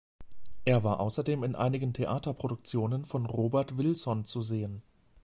Er war außerdem in einigen Theaterproduktionen von Robert Wilson zu sehen.